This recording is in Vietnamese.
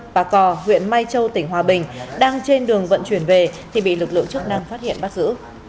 bà cò huyện mai châu tỉnh hòa bình đang trên đường vận chuyển về thì bị lực lượng chức năng phát hiện bắt giữ